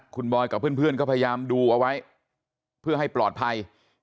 คุณบอยกับเพื่อนก็พยายามดูเอาไว้เพื่อให้ปลอดภัย